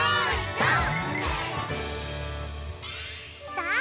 さあ